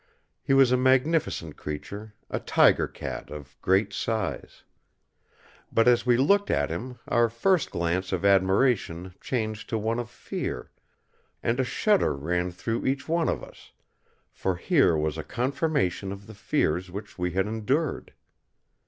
He was a magnificent creature, a tiger cat of great size. But as we looked at him, our first glance of admiration changed to one of fear, and a shudder ran through each one of us; for here was a confirmation of the fears which we had endured.